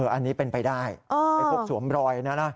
อันนี้เป็นไปได้ไอ้พวกสวมรอยนะนะ